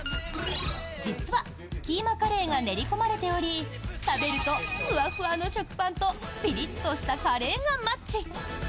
実は、キーマカレーが練り込まれており食べると、ふわふわの食パンとピリッとしたカレーがマッチ！